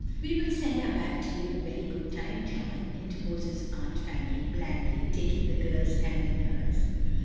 "We will send her back to you in very good time, John," interposes Aunt Fanny, blandly, taking the girl's hand in hers.